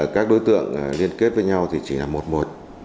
các đối tượng liên kết với nhau thì chỉ là một một